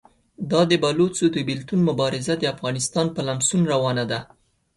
دا د بلوڅو د بېلتون مبارزه د افغانستان په لمسون روانه ده.